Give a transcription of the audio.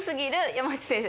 山内選手